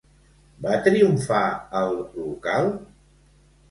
Va triomfar el local?